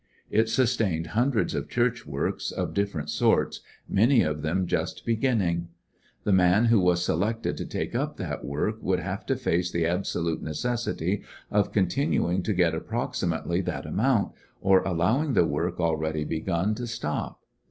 It sustained hundreds of Church works of dif ferent sorts, many of them just beginning. The man who was selected to take up that work would have to face the absolute neces sity of continuing to get approximately that amount, or allowing the work already begun to stop.